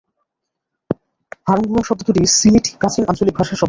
হারং-হুরং শব্দ দুটি সিলেটি প্রাচীন আঞ্চলিক ভাষার শব্দ।